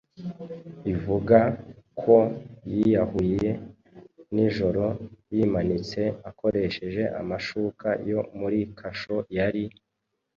ivuga ko yiyahuye nijoro yimanitse akoresheje amashuka yo muri kasho yari